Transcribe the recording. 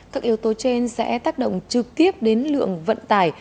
các yếu tố trên sẽ tác động trực tiếp đến lượng vận tải